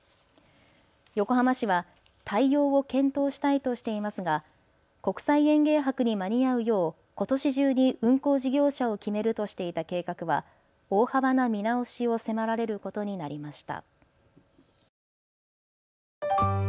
横浜市は対応を検討したいとしていますが国際園芸博に間に合うようことし中に運行事業者を決めるとしていた計画は大幅な見直しを迫られることになりました。